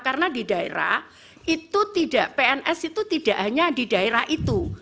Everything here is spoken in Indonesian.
karena di daerah itu tidak pns itu tidak hanya di daerah itu